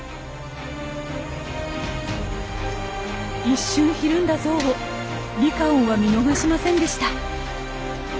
一瞬ひるんだゾウをリカオンは見逃しませんでした。